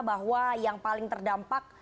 bahwa yang paling terdampak